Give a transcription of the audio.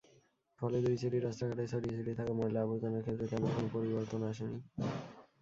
ফলে দুই সিটির রাস্তাঘাটে ছড়িয়ে-ছিটিয়ে থাকা ময়লা-আবর্জনার ক্ষেত্রে তেমন কোনো পরিবর্তন আসেনি।